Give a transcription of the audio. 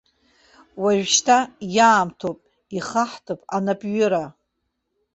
Ужәшьҭа иаамҭоуп, ихаҳтып анапҩыра.